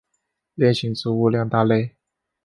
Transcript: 链型植物两大类。